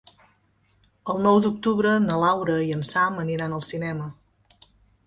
El nou d'octubre na Laura i en Sam aniran al cinema.